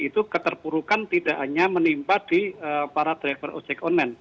itu keterpurukan tidak hanya menimpa di para driver ojek online